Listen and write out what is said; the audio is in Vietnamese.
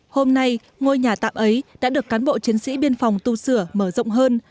hôm nay ngôi nhà tạm ấy đã được cán bộ chiến sĩ biên phòng tu sửa mở rộng hơn